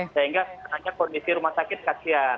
sehingga hanya kondisi rumah sakit kasihan